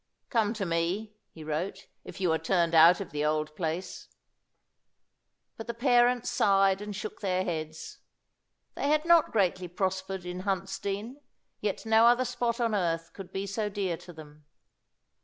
"Come to me," he wrote, "if you are turned out of the old place." But the parents sighed and shook their heads. They had not greatly prospered in Huntsdean, yet no other spot on earth could be so dear to them.